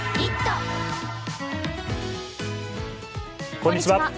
こんにちは。